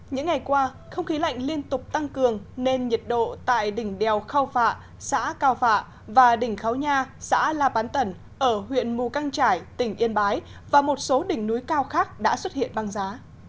những ngày qua không khí lạnh liên tục tăng cường nên nhiệt độ tại đỉnh đèo khao phạ xã cao phạ và đỉnh kháo nha xã la bán tẩn ở huyện mù căng trải tỉnh yên bái và một số đỉnh núi cao khác đã xuất hiện băng giá